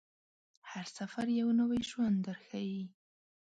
هر سفر یو نوی ژوند درښيي.